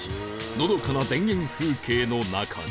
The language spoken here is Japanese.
のどかな田園風景の中に